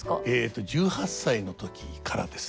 えと１８歳の時からですね。